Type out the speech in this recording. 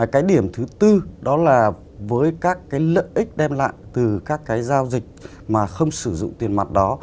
cái điểm thứ tư đó là với các cái lợi ích đem lại từ các cái giao dịch mà không sử dụng tiền mặt đó